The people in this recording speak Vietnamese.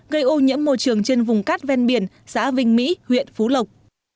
gây ô nhiễm môi trường trên vùng cát ven biển xã vinh mỹ huyện phú lộc